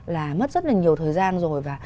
là mất rất là nhiều thời gian rồi và